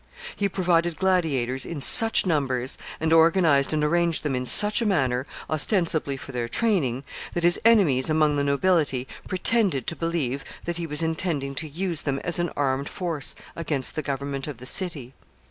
He provided gladiators in such numbers, and organized and arranged them in such a manner, ostensibly for their training, that his enemies among the nobility pretended to believe that he was intending to use them as an armed force against the government of the city.